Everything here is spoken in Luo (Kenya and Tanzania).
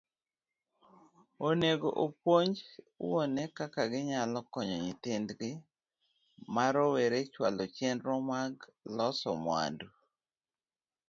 Onego opuonj wuone kaka ginyalo konyo nyithindgi ma rowere chwalo chenro mag loso mwandu.